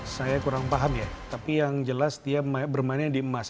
saya kurang paham ya tapi yang jelas dia bermainnya di emas